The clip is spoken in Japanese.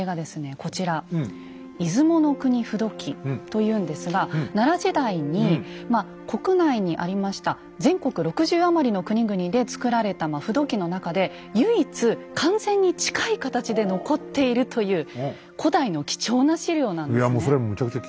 こちら「出雲国風土記」というんですが奈良時代に国内にありました全国６０余りの国々で作られた風土記の中で唯一完全に近い形で残っているという古代の貴重な史料なんですね。